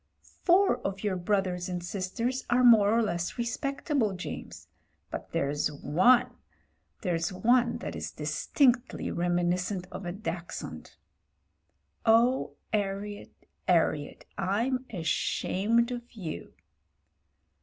"Four of your brothers and sisters are more or less respectable, James, but there's one — there's one that is distinctly reminiscent of a dachshund. Oh ! 'Arriet, 'Arriet — I'm ashamed of you."